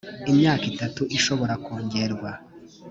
imyaka itatu ishobora kongerwa